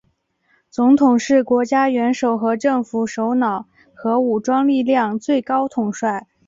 总统是国家元首和政府首脑和武装力量最高统帅。